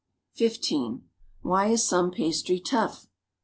(lo) Why is some pastry tough?